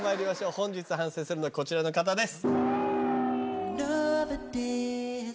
本日反省するのはこちらの方です。